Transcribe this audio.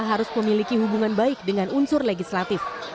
harus memiliki hubungan baik dengan unsur legislatif